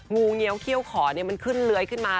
งูเงี้ยวเขี้ยวขอมันขึ้นเลื้อยขึ้นมา